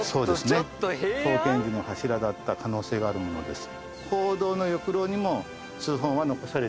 創建時の柱だった可能性があるものです。